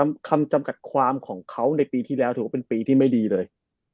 คำจำกัดความของเขาในปีที่แล้วถือว่าเป็นปีที่ไม่ดีเลย